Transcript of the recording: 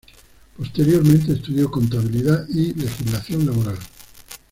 Posteriormente estudió Contabilidad y Legislación Laboral.